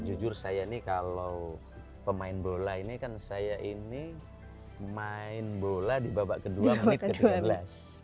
jujur saya ini kalau pemain bola ini kan saya ini main bola di babak kedua menit ke tiga belas